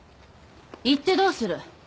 言ってどうする？